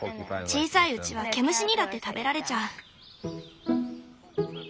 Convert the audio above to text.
小さいうちは毛虫にだって食べられちゃう。